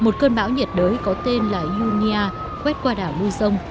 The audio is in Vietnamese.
một cơn bão nhiệt đới có tên là iunia quét qua đảo mui sông